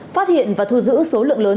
phát hiện và thu giữ số lượng lớn